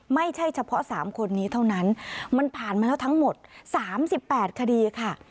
ไม่ใช่เฉพาะ๓คนนี้เท่านั้นมันผ่านมาแล้วทั้งหมด๓๘คดีค่ะ